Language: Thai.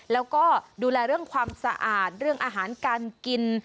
แล้วก็ดูแลเรื่องความสะอาดเรื่องอาหารการกิน